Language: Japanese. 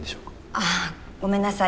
あごめんなさい。